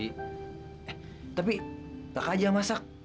eh tapi kakak aja masak